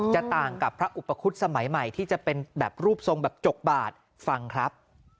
ต่างกับพระอุปคุฎสมัยใหม่ที่จะเป็นแบบรูปทรงแบบจกบาทฟังครับ